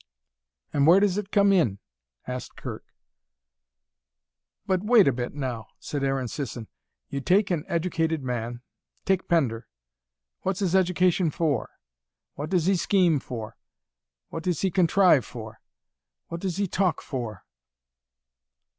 "And where does it come in?" asked Kirk. "But wait a bit, now," said Aaron Sisson. "You take an educated man take Pender. What's his education for? What does he scheme for? What does he contrive for? What does he talk for?